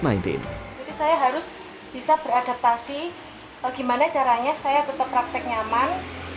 saya harus bisa beradaptasi bagaimana caranya saya tetap praktek nyaman